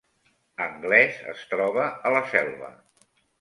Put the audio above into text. Anglès es troba a la Selva